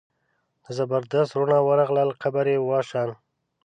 د زبردست وروڼه ورغلل قبر یې وشان.